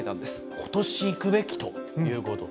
ことし行くべきということ。